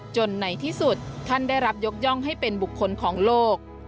ในที่สุดท่านได้รับยกย่องให้เป็นบุคคลของโลก